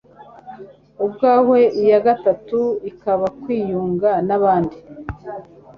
ubwawe, iya gatatu ikaba kwiyunga n'abandi